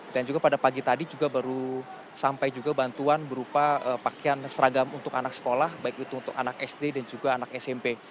dan juga pada pagi tadi juga baru sampai juga bantuan berupa pakaian seragam untuk anak sekolah baik itu untuk anak sd dan juga anak smp